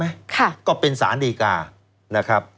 และก็เป็นสารดีการ์